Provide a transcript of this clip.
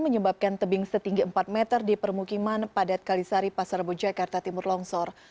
menyebabkan tebing setinggi empat meter di permukiman padat kalisari pasar bojakarta timur longsor